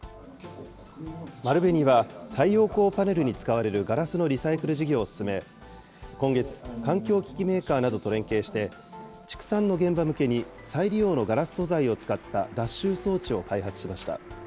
丸紅は太陽光パネルに使われるガラスのリサイクル事業を進め、今月、環境機器メーカーなどと連携して、畜産の現場向けに再利用のガラス素材を使った、脱臭装置を開発しました。